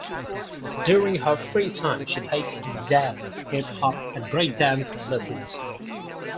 During her free time she takes jazz, hip hop, and break dance lessons.